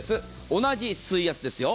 同じ水圧ですよ。